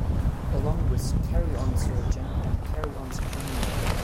Along with "Carry On Sergeant" and "Carry On Screaming!